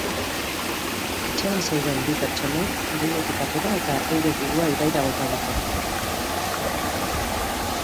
Etxean zeuden bi pertsonek leihotik atera eta euren burua ibaira bota dute.